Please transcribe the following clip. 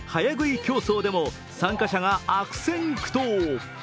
競争でも参加者が悪戦苦闘。